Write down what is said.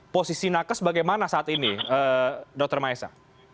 posisi nakes bagaimana saat ini dr maesa